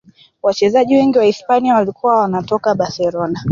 wachezaji wengi wa hisipania walikuwa wanatoka barcelona